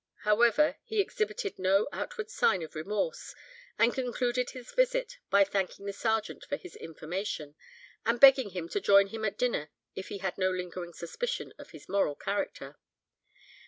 However, he exhibited no outward signs of remorse, and concluded his visit by thanking the Sergeant for his information, and begging him to join him at dinner if he had no lingering suspicion of his moral character.